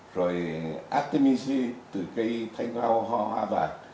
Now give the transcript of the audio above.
rồi artemisia từ cây thanh hoa hoa hòa bản